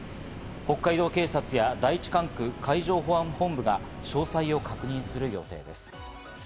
北海道警察や第一管区海上保安本部が詳細を確認する予定です。